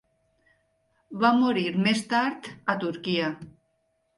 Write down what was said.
Va morir més tard a Turquia.